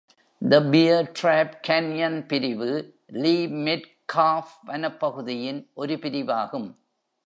The Bear Trap Canyon பிரிவு Lee Metcalf வனப்பகுதியின் ஒரு பிரிவாகும்.